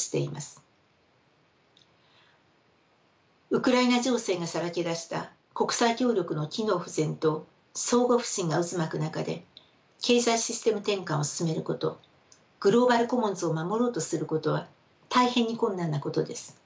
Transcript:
ウクライナ情勢がさらけ出した国際協力の機能不全と相互不信が渦巻く中で経済システム転換を進めることグローバル・コモンズを守ろうとすることは大変に困難なことです。